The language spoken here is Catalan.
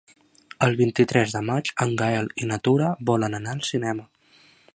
El vint-i-tres de maig en Gaël i na Tura volen anar al cinema.